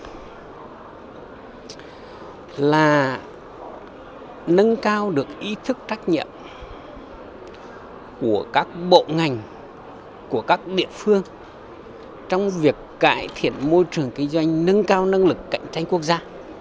chúng là nâng cao được ý thức trách nhiệm của các bộ ngành của các địa phương trong việc cải thiện môi trường kinh doanh nâng cao năng lực cạnh tranh quốc gia